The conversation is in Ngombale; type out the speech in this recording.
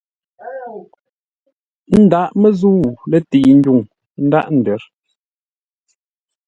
Ndaghʼ məzə̂u lətei ndwuŋ ndaghʼ ndər.